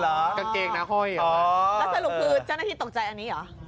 แล้วสรุปคือเจ้าหน้าที่ตกใจอันนี้หรอ